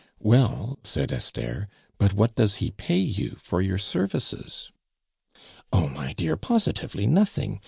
"Well," said Esther, "but what does he pay you for your services?" "Oh, my dear, positively nothing.